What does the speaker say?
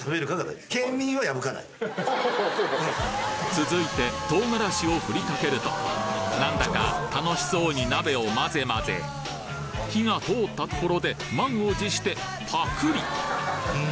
続いて唐辛子をふりかけるとなんだか楽しそうに鍋をまぜまぜ火が通ったところで満を持してパクリ！